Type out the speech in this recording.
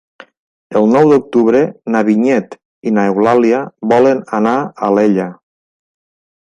El nou d'octubre na Vinyet i n'Eulàlia volen anar a Alella.